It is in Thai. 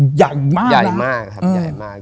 ใหญ่มากนะครับอืมใหญ่มากครับใหญ่มาก